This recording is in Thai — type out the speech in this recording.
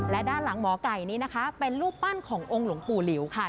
และด้านหลังหมอไก่นี้นะคะเป็นรูปปั้นขององค์หลวงปู่หลิวค่ะ